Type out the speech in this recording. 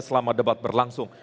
selama debat berlangsung